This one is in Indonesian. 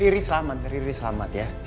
ri selamat ri selamat ya